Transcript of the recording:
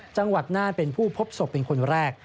จังหวัดนั่นเป็นผู้พบศพเป็นคนแรก